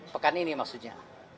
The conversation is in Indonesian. pekan ini maksudnya